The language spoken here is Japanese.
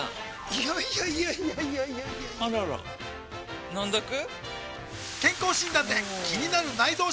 いやいやいやいやあらら飲んどく？